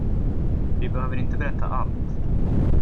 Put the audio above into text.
Vi behöver inte berätta allt.